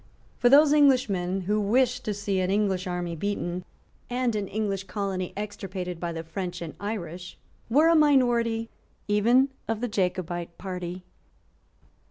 For those Englishmen who wished to see an English army beaten and an English colony extirpated by the French and Irish were a minority even of the Jacobite party.